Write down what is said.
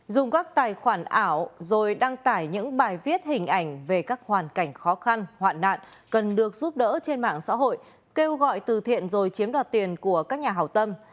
dùng các tài khoản ảo rồi đăng tải những bài viết hình ảnh về các hoàn cảnh khó khăn hoạn nạn cần được giúp đỡ trên mạng xã hội kêu gọi từ thiện rồi chiếm đoạt tiền của các nhà hào tâm